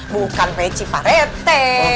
bukan peci pak rete